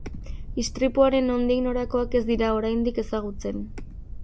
Istripuaren nondik norakoak ez dira oraindik ezagutzen.